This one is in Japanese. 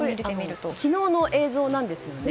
昨日の映像なんですよね。